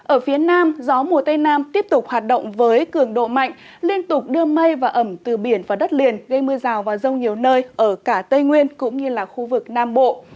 ở phía nam gió mùa tây nam tiếp tục hoạt động với cường độ mạnh liên tục đưa mây và ẩm từ biển vào đất liền gây mưa rào và rông nhiều nơi ở cả tây nguyên cũng như là khu vực nam bộ